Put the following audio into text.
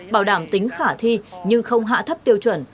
bảo đảm tính khả thi nhưng không hạ thấp tiêu chuẩn